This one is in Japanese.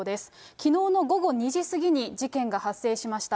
きのうの午後２時過ぎに事件が発生しました。